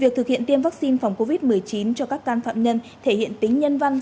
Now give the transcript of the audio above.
việc thực hiện tiêm vaccine phòng covid một mươi chín cho các can phạm nhân thể hiện tính nhân văn